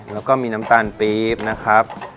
แล้วก็มีน้ำตาลปี๊บนะครับ